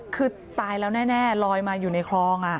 คือตายแล้วแน่ลอยมาอยู่ในคลอง